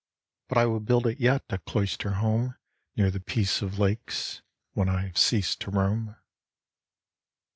But I will build it yet a cloister home Near the peace of lakes when I have ceased to roam.